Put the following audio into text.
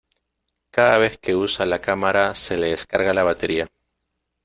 Cada vez que usa la cámara se le descarga la batería.